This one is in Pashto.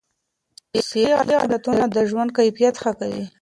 صحي عادتونه د ژوند کیفیت ښه کوي.